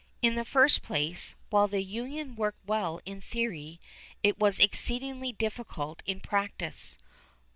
In the first place, while the Union worked well in theory, it was exceedingly difficult in practice.